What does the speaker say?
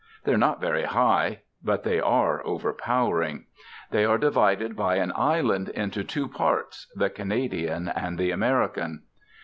They are not very high, but they are overpowering. They are divided by an island into two parts, the Canadian and the American.